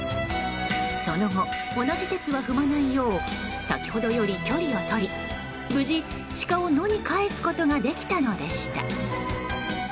その後同じ轍は踏まないよう先ほどより距離を取り無事、シカを野に帰すことができたのでした。